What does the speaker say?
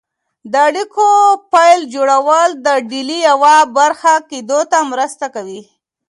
د اړیکو پل جوړول د ډلې یوه برخه کېدو ته مرسته کوي.